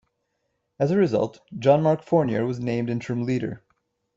As a result, Jean-Marc Fournier was named interim leader.